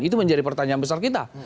itu menjadi pertanyaan besar kita